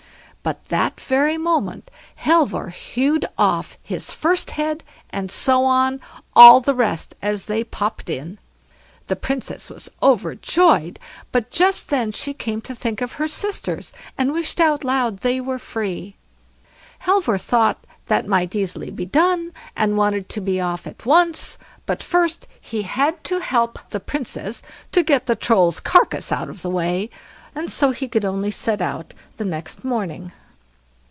But that very moment Halvor hewed off his first head, and so on, all the rest as they popped in. The Princess was overjoyed, but just then she came to think of her sisters, and wished out loud they were free. Halvor thought that might easily be done, and wanted to be off at once; but first he had to help the Princess to get the Troll's carcass out of the way, and so he could only set out next morning.